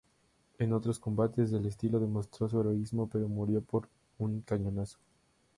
En otros combates del sitio demostró su heroísmo pero murió por un cañonazo.